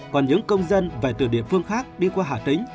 còn những công dân về từ địa phương khác đi qua hà tĩnh